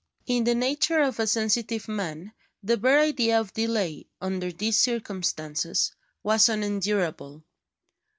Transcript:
In the nature of a sensitive man the bare idea of delay, under these circumstances, was unendurable.